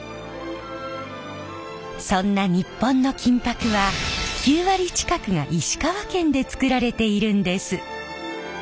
そんな日本の金箔は９割近くが石川県で作られているんです。